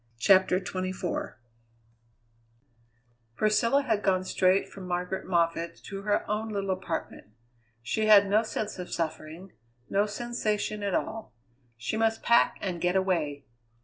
CHAPTER XXIV Priscilla had gone straight from Margaret Moffatt's to her own little apartment. She had no sense of suffering; no sensation at all. She must pack and get away!